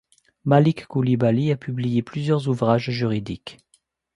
Malick Coulibaly a publié plusieurs ouvrages juridiques.